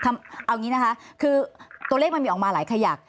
เอาอย่างนี้นะคะคือตัวเลขมันมีออกมาหลายขยัก